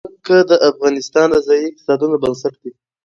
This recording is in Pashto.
ځمکه د افغانستان د ځایي اقتصادونو بنسټ دی.